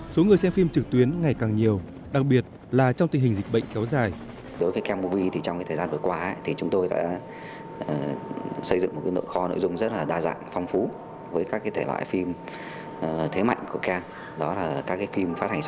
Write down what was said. số người xem phim trực tuyến ngày càng nhiều đặc biệt là trong tình hình dịch bệnh kéo dài